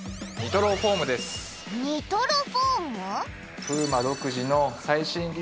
ニトロフォーム？